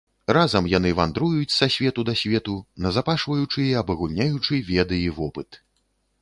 Разам яны вандруюць са свету да свету, назапашваючы і абагульняючы веды і вопыт.